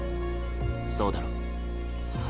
そうだろ？